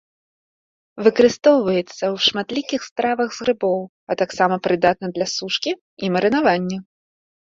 Выкарыстоўваецца ў шматлікіх стравах з грыбоў, а таксама прыдатны для сушкі і марынавання.